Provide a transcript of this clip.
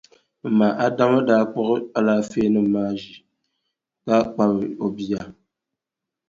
M ma Adama daa kpuɣi alaafeenima maa ʒi ka kpabi o bia.